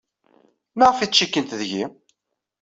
Maɣef ay ttcikkint deg-i?